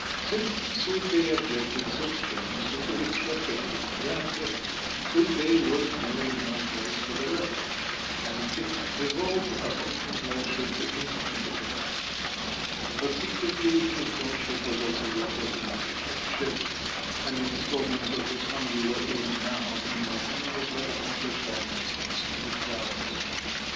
Since Sweetbay objected so strenuously to its rector being a dramatist, Sweetbay was clearly no place for the rector; and it devolved upon his lordship to intimate the fact. But secretly his lordship was also guilty of dramatic authorship, and in stalments of his comedy were even now in the hands of that accomphshed actress. Miss Kitty Clarges.